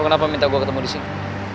lo kenapa minta gue ketemu disini